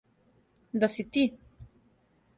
Да си ти?